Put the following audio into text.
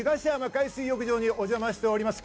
海水浴場にお邪魔しております。